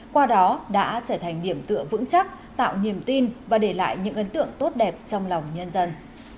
qua đó đã trở thành điểm tựa vững chắc tạo niềm tin và để lại những ấn tượng tốt đẹp trong lòng nhân dân